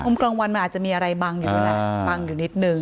มุมกลางวันมันอาจจะมีอะไรบังอยู่น่ะบังอยู่นิดนึง